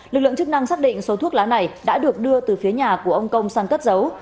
lực lượng chức năng xác định số thuốc lá này đã được đưa từ phía nhà của ông công sang cất dấu